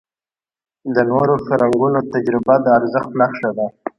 د نورو فرهنګونو تجربه د ارزښت نښه ده.